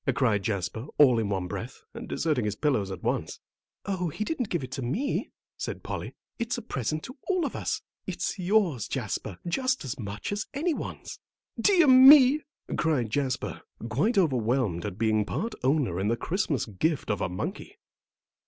cried Jasper, all in one breath, and deserting his pillows at once. "Oh, he didn't give it to me," said Polly. "It's a present to all of us; it's yours, Jasper, just as much as any one's." "Dear me!" cried Jasper, quite overwhelmed at being part owner in the Christmas gift of a monkey.